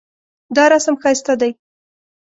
دا رسم ښایسته دی